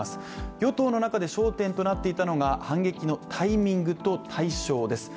与党の中で焦点となっていたのが反撃のタイミングと対象です。